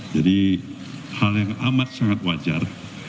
jadi hal yang amat sangat wajar